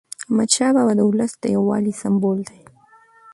احمدشاه بابا د ولس د یووالي سمبول دی.